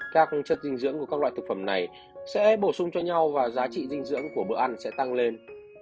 các chất dinh dưỡng của các loại thực phẩm này sẽ bổ sung cho nhau và giá trị dinh dưỡng của bữa ăn sẽ tăng lên